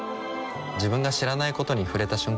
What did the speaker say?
自分が知らないことに触れた瞬間